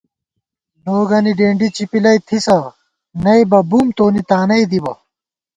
لوگَنی ڈېنڈی چپِلَئ تھِسہ نئیبہ بُم تونی تانَئی دِبہ